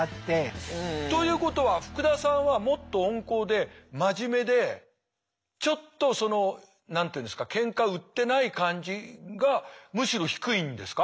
ということは福田さんはもっと温厚で真面目でちょっとその何て言うんですかケンカ売ってない感じがむしろ低いんですか？